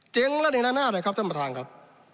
เจ๋งแล้วหนึ่งด้านหน้าได้ครับท่านประธานครับ